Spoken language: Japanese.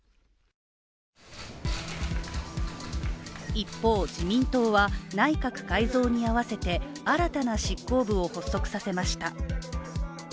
一方、自民党は内閣改造に合わせて新たな執行部を発足させました。